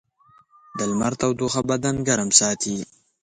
د لمر تودوخه بدن ګرم ساتي.